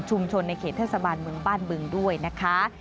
ในเขตเทศบาลเมืองบ้านบึงด้วยนะคะ